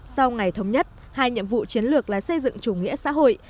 sau ngày thống nhất hai nhiệm vụ chiến lược là xây dựng chủ nghĩa xã hội